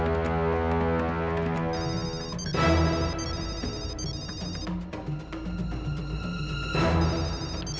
sebelum kesempatan itu berakhir